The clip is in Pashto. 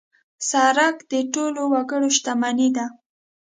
سړک د ټولو وګړو شتمني ده.